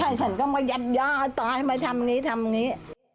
ไม่ใช่ฉันก็มายัดยาวตายทำอย่างนี้ทำอย่างนี้